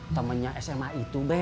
temennya sma itu be